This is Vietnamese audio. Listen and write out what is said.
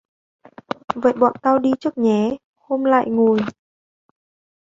vậy bọn tao đi trước nhé hôm lại ngồi